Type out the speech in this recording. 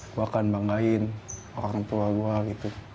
gue akan banggain orang tua gue gitu